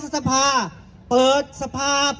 สวัสดีครับ